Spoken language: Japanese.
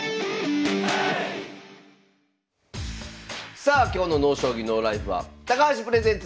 さあ今日の「ＮＯ将棋ＮＯＬＩＦＥ」は「高橋プレゼンツ